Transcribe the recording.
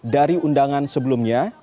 dari undangan sebelumnya